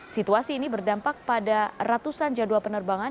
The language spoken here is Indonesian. situasi ini berdampak pada ratusan jadwal penerbangan